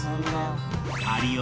有吉